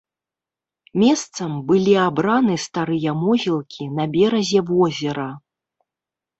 Месцам былі абраны старыя могілкі на беразе возера.